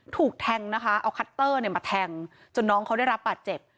ถูกแทงนะคะเอาคัตเตอร์เนี่ยมาแทงจนน้องเขาได้รับบาดเจ็บ